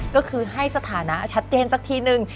ก็คือให้สถานะชัดเจนสักทีนึง